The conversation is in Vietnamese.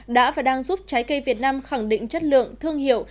đã và đang giúp trái cây việt nam khẳng định chất lượng thương hiệu